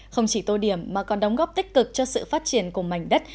không chỉ tô điểm mà còn đóng góp tích cực cho sự phát triển của mảnh đất